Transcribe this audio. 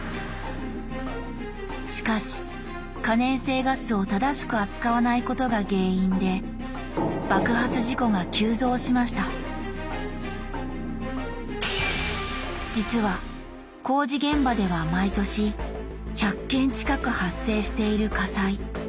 しかし可燃性ガスを正しく扱わないことが原因で爆発事故が急増しました実は工事現場では毎年１００件近く発生している火災。